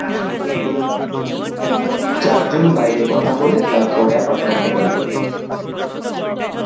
চারজন বাইরে কথা বলে তারপর অ্যাপার্টমেন্টে গেল।